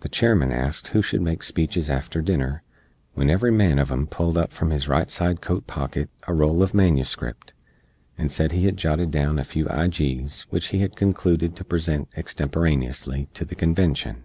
The Chairman asked who shood make speeches after dinner, wen every man uv em pulled from his right side coat pocket a roll uv manuscript, and sed he hed jotted down a few ijees wich he hed conclooded to present extemporaneously to the Convenshun.